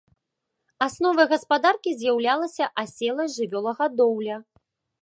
Асновай гаспадаркі з'яўлялася аселая жывёлагадоўля.